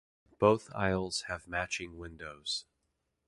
Both aisles have matching windows.